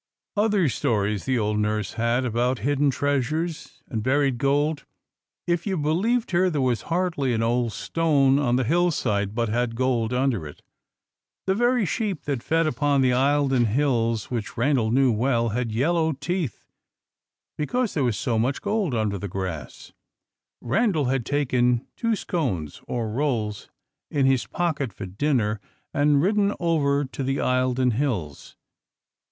Other stories the old nurse had, about hidden treasures and buried gold. If you believed her, there was hardly an old stone on the hillside but had gold under it. The very sheep that fed upon the Eildon Hills, which Randal knew well, had yellow teeth because there was so much gold under the grass. Randal had taken two scones, or rolls, in his pocket for dinner, and ridden over to the Eildon Hills.